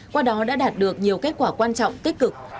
qua đó đã đạt được nhiều kết quả quan trọng tích cực